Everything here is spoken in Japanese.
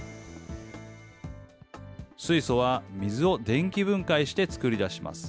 水素は水を電気分解して作り出します。